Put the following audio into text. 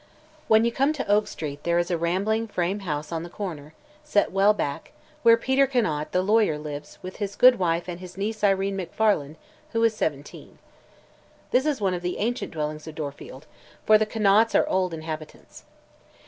When you come to Oak Street there is a rambling frame house on the corner, set well back, where Peter Conant, the lawyer, lives with his good wife and his niece Irene Macfarlane, who is seventeen. This is one of the ancient dwellings of Dorfield, for the Conants are "old inhabitants."